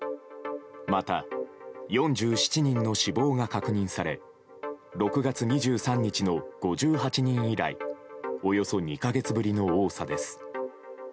また、４７人の死亡が確認され６月２３日の５８人以来およそ２か月ぶりの多さです。